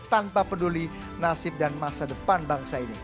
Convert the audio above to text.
tanpa peduli nasib dan masa depan bangsa ini